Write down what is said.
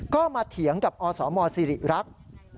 ก็มาเถียงกับอสมสิริรักษ์